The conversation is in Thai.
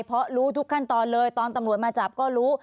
เพราะรู้ทุกขั้นตอนเลยตอนตำรวจมาจับก็รู้